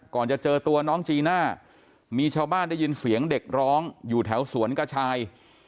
จะเจอตัวน้องจีน่ามีชาวบ้านได้ยินเสียงเด็กร้องอยู่แถวสวนกระชาย